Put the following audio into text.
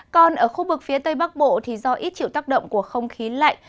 còn ở khu vực phía tây bắc bộ do ít triệu tác động của không khí lạnh